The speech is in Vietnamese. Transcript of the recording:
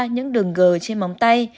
ba những đường gờ trên móng tay